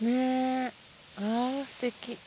あすてき。